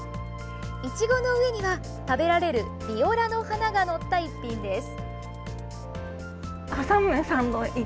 いちごの上には、食べられるビオラの花が載った一品です。